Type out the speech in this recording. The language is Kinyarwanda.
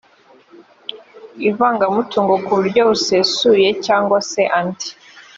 ivanga mutungo ku buryo busesuye cyangwa se andi